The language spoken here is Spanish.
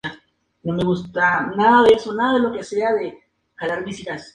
En otoño se parece a la hembra excepto por sus alas negras.